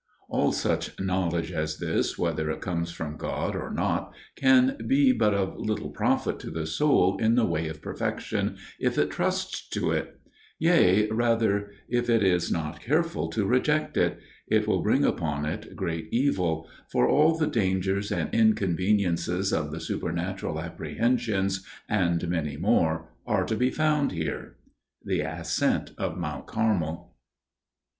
"All such knowledge as this, whether it comes from God or not, can be but of little profit to the soul in the way of perfection, if it trusts to it: yea, rather, if it is not careful to reject it, ... it will bring upon it great evil; ... for all the dangers and inconveniences of the supernatural apprehensions, and many more, are to be found here." The Ascent of Mount Carmel. Under Which King?